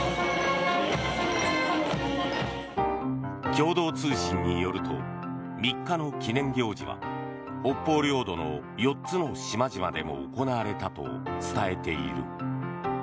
共同通信によると３日の記念行事は北方領土の４つの島々でも行われたと伝えている。